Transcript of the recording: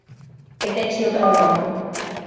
এটাই ছিল তার নাম।